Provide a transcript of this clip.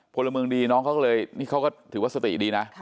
พลเมืองดีน้องเขาก็เลยนี่เขาก็ถือว่าสติดีนะ